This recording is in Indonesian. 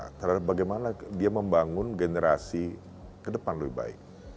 dan peka terhadap bagaimana dia membangun generasi kedepan lebih baik